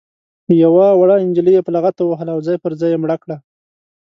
یوه وړه نجلۍ یې په لغته ووهله او ځای پر ځای یې مړه کړه.